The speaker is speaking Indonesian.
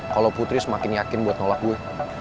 kalau putri semakin yakin buat nolak gue